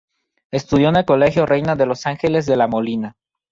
Estudió en el Colegio Reina de los Ángeles de La Molina.